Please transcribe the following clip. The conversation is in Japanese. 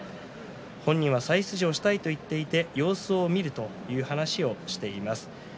本人は再出場したいと言っていて様子を見るという話をしています。